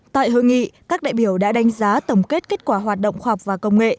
tại hội nghị các đại biểu đã đánh giá tổng kết kết quả hoạt động khoa học và công nghệ